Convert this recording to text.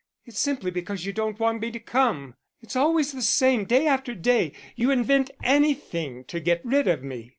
"It's simply because you don't want me to come. It's always the same, day after day. You invent anything to get rid of me."